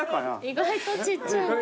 意外とちっちゃい。